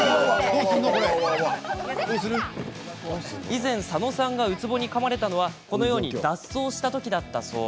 以前、佐野さんがウツボにかまれたのはこのように脱走した時だったそう。